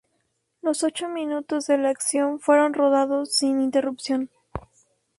Los ocho minutos de la acción fueron rodados sin interrupción.